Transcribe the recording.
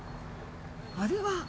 あれは。